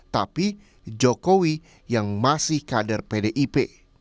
tapi jokowi yang masih kader pdip